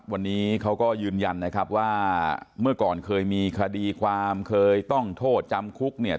วันนี้เขาก็ยืนยันนะครับว่าเมื่อก่อนเคยมีคดีความเคยต้องโทษจำคุกเนี่ย